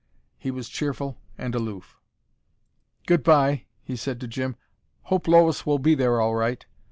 He was cheerful and aloof. "Goodbye," he said to Jim. "Hope Lois will be there all right.